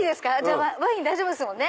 ワイン大丈夫ですもんね？